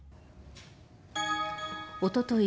おととい